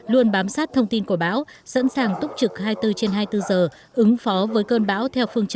luôn bám sát thông tin của bão sẵn sàng túc trực hai mươi bốn trên hai mươi bốn giờ ứng phó với cơn bão theo phương châm bốn